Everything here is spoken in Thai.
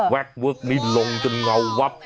แวกเวิกนิดลงจนเงาวับ